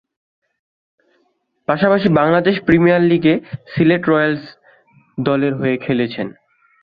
পাশাপাশি বাংলাদেশ প্রিমিয়ার লীগে সিলেট রয়্যালস দলের হয়ে খেলছেন।